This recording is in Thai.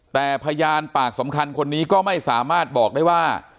แต่พยานปากสำคัญคนนี้ก็ไม่สามารถบอกได้ว่า